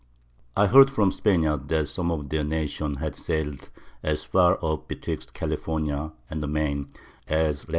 I heard from the Spaniards, that some of their Nation had sail'd as far up betwixt California and the Main, as Lat.